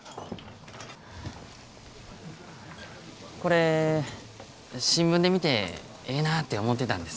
これ新聞で見てええなぁて思てたんです。